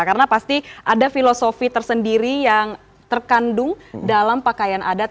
karena pasti ada filosofi tersendiri yang terkandung dalam pakaian adat